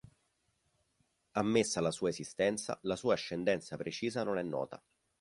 Ammessa la sua esistenza, la sua ascendenza precisa non è nota.